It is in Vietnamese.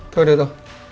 thôi được rồi